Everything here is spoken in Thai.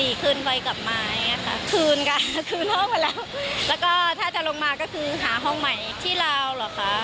ดีขึ้นไว้กลับมาคืนห้องมาแล้วแล้วก็ถ้าจะลงมาก็คือหาห้องใหม่ที่ราวหรอคะ